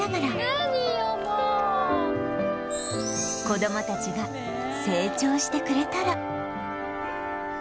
子どもたちが成長してくれたら